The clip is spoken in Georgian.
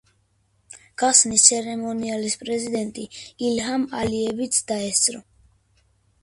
გახსნის ცერემონიალს პრეზიდენტი ილჰამ ალიევიც დაესწრო.